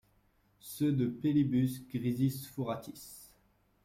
Seu de pellibus grisis fourratis !